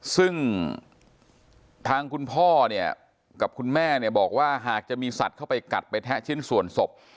ซึ่งทางคุณพ่อเนี่ยกับคุณแม่เนี่ยบอกว่าหากจะมีสัตว์เข้าไปกัดไปแทะชิ้นส่วนศพ